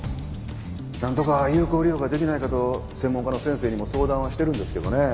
なんとか有効利用ができないかと専門家の先生にも相談はしてるんですけどねえ。